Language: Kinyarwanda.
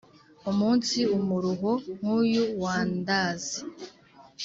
umunsi umuruho nk’uyu wandaze